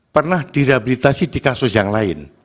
pernah direhabilitasi di kasus yang lain